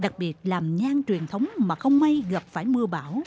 đặc biệt làm nhang truyền thống mà không may gặp phải mưa bão